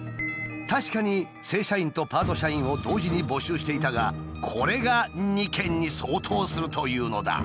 確かに正社員とパート社員を同時に募集していたがこれが２件に相当するというのだ。